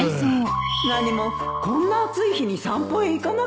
何もこんな暑い日に散歩へ行かなくても